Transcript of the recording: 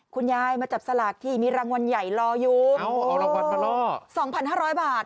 คุณยายมาจับสลากที่มีรางวัลใหญ่รออยู่อ๋อเอารางวัลมาล่อสองพันห้าร้อยบาท